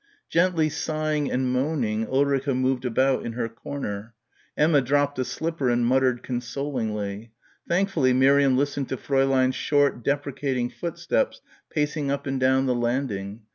Gently sighing and moaning Ulrica moved about in her corner. Emma dropped a slipper and muttered consolingly. Thankfully Miriam listened to Fräulein's short, deprecating footsteps pacing up and down the landing.